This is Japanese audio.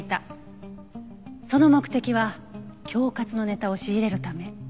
その目的は恐喝のネタを仕入れるため。